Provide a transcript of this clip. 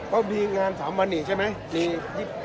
ก็มีงาน๓วันอีกใช่ไหม